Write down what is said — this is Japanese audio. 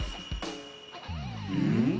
うん？